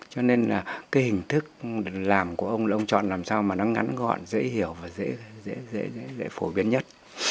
cho nên là cái hình thức làm của ông là ông chọn làm sao mà nó ngắn gọn dễ hiểu và dễ phổ biến nhất